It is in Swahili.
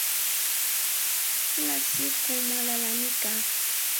Kila siku mwalalamika